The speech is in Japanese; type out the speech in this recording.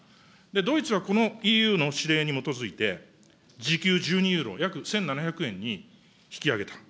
ドイツはこのＥＵの指令に基づいて、時給１２ユーロ、約１７００円に引き上げた。